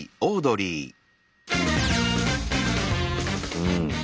うん。